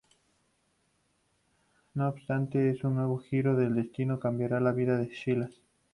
No obstante, un nuevo giro del destino cambiará la vida de Silas.